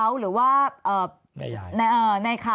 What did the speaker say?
ตอนที่จะไปอยู่โรงเรียนจบมไหนคะ